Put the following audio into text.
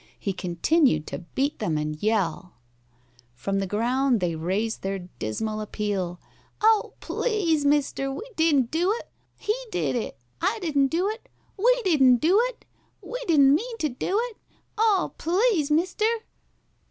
He continued to beat them and yell. From the ground they raised their dismal appeal. "Oh, please, mister, we didn't do it! He did it! I didn't do it! We didn't do it! We didn't mean to do it! Oh, please, mister!"